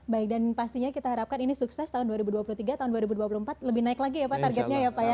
baik dan pastinya kita harapkan ini sukses tahun dua ribu dua puluh tiga tahun dua ribu dua puluh empat lebih naik lagi ya pak targetnya ya pak ya